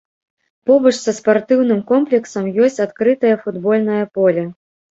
Побач са спартыўным комплексам ёсць адкрытае футбольнае поле.